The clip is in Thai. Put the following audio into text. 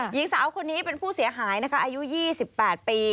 หญิงสาวคนนี้เป็นผู้เสียหายนะคะอายุ๒๘ปี